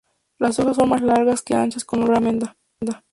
Las hojas son más largas que anchas, con olor a menta.